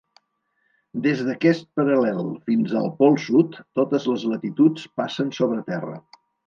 Des d'aquest paral·lel fins al Pol Sud totes les latituds passen sobre terra.